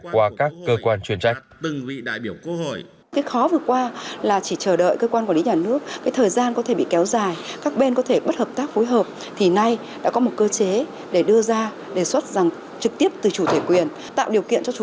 qua các cơ quan truyền trách